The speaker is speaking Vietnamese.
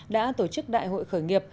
đã tổ chức đại hội khởi nghiệp